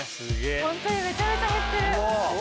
ホントにめちゃめちゃ減ってる。